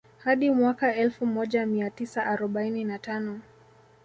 Hadi mwaka Elfu moja mia tisa arobaini na tano